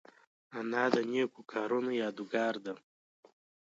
انا د نیکو کارونو یادګار ده